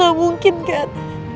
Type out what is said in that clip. gak mungkin kan